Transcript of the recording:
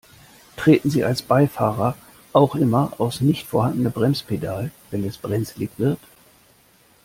Treten Sie als Beifahrer auch immer aufs nicht vorhandene Bremspedal, wenn es brenzlig wird?